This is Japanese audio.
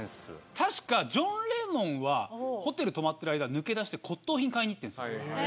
確かジョン・レノンはホテル泊まってる間抜け出して骨董品買いに行ってるんですよ。